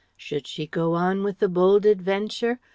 Should she go on with the bold adventure?